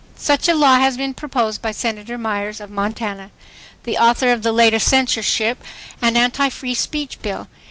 Such a law has been proposed by Senator Myers of Montana, the author of the latest censorship and anti free speech bill.